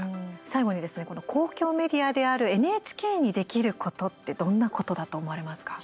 最後に公共メディアであるＮＨＫにできることってどんなことだと思われますか？